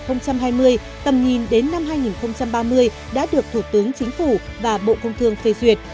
tầm nhìn đến năm hai nghìn ba mươi đã được thủ tướng chính phủ và bộ công thương phê duyệt